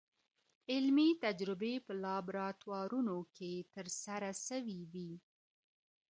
علمي تجربې په لابراتوارونو کي ترسره سوي وې.